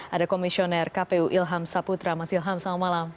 ada komisioner kpu ilham saputra mas ilham selamat malam